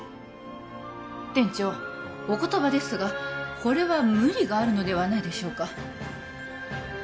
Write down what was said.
店長お言葉ですがこれは無理があるのではないでしょうか